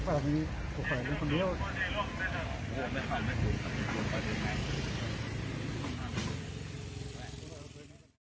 สวัสดีครับสวัสดีครับ